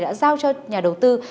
đã giao cho nhà đầu tư